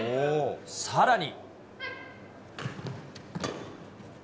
さらに。